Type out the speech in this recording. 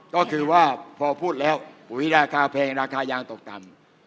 ก็คือว่าพอพูดแล้วปุ๋ยราคาแพงราคายางตกต่ำ